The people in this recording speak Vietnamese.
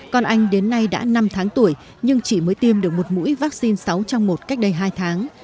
con anh đến nay đã năm tháng tuổi nhưng chỉ mới tiêm được một mũi vaccine sáu trong một cách đây hai tháng